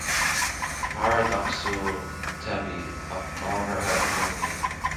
Paradacsúil, teibí, ach ábhartha i gcónaí